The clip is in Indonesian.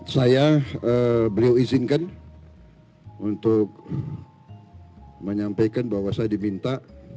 saya beliau izinkan untuk menyampaikan bahwa saya diminta